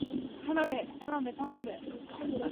The most important street of the rione Ludovisi is Via Veneto.